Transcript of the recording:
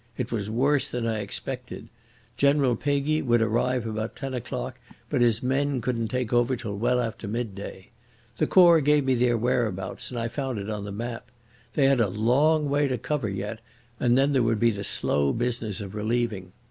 It was worse than I expected. General Peguy would arrive about ten o'clock, but his men couldn't take over till well after midday. The Corps gave me their whereabouts and I found it on the map. They had a long way to cover yet, and then there would be the slow business of relieving.